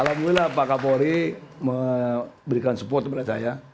alhamdulillah pak kapolri memberikan support kepada saya